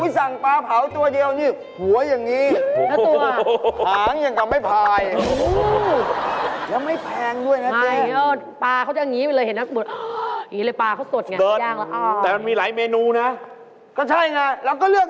สบายเลยโอ๊ยโอ้โฮ